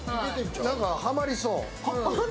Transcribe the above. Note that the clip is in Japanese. なんかはまりそう。